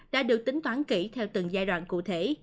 đã được tính toán kỹ theo từng giai đoạn cụ thể